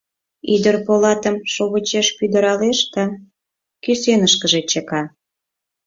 Ӱдыр полатым шовычеш пӱтыралеш да кӱсенышкыже чыка.